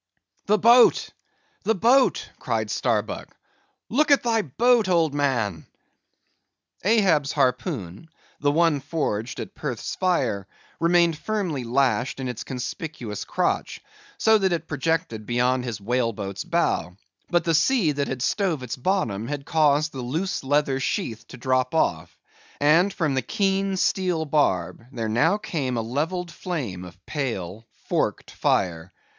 "The boat! the boat!" cried Starbuck, "look at thy boat, old man!" Ahab's harpoon, the one forged at Perth's fire, remained firmly lashed in its conspicuous crotch, so that it projected beyond his whale boat's bow; but the sea that had stove its bottom had caused the loose leather sheath to drop off; and from the keen steel barb there now came a levelled flame of pale, forked fire.